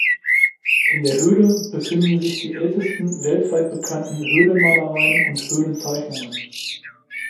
In der Höhle befinden sich die ältesten weltweit bekannten Höhlenmalereien und Höhlenzeichnungen.